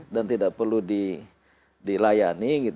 dan tidak perlu dilayani